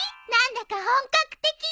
何だか本格的。